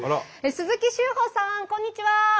鈴木秀峰さんこんにちは。